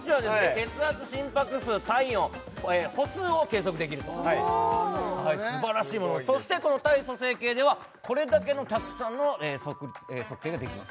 血圧心拍数体温歩数を計測できるとすばらしいものそしてこの体組成計ではこれだけのたくさんの測定ができます